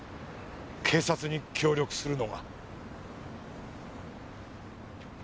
警察に協力するのが。